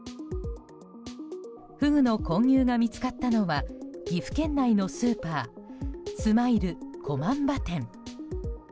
フグの混入が見つかったのは岐阜県内のスーパースマイル駒場店。